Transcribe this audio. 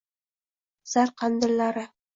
Zar qandillari.